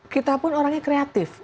kita pun orangnya kreatif